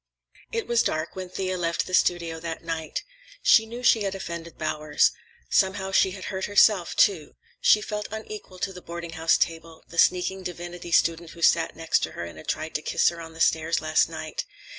It was dark when Thea left the studio that night. She knew she had offended Bowers. Somehow she had hurt herself, too. She felt unequal to the boarding house table, the sneaking divinity student who sat next her and had tried to kiss her on the stairs last night.